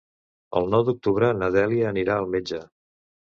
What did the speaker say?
El nou d'octubre na Dèlia anirà al metge.